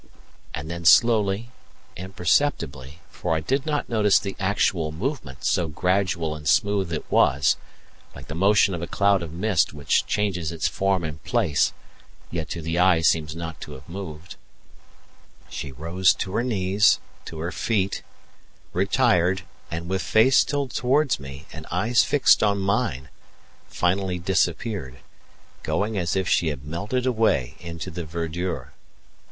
And then slowly, imperceptibly for I did not notice the actual movement, so gradual and smooth it was, like the motion of a cloud of mist which changes its form and place, yet to the eye seems not to have moved she rose to her knees, to her feet, retired, and with face still towards me, and eyes fixed on mine, finally disappeared, going as if she had melted away into the verdure.